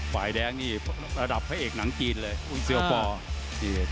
ฝ่ายแดงนี่ระดับพระเอกหนังจีนเลยเสื้อพ่อ